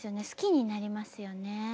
好きになりますよね。